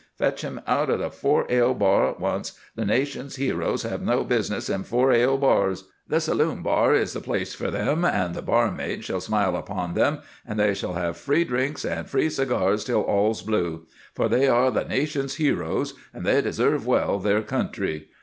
Fetch him out of the four ale bar at once. The nation's heroes have no business in four ale bars. The saloon bar is the place for them, and the barmaid shall smile upon them, and they shall have free drinks and free cigars till all's blue; for they are the nation's heroes, and they deserve well of their country.